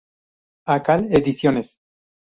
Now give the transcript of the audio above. Akal Ediciones.